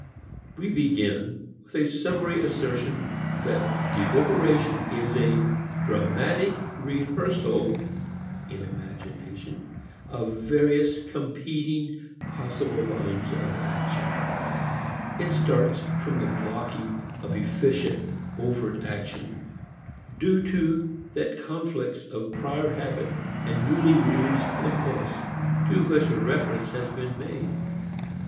We begin with a summary assertion that deliberation is a dramatic rehearsal (in imagination) of various competing possible lines of action. It starts from the blocking of efficient overt action, due to that conflict of prior habit and newly released impulse to which reference has been made.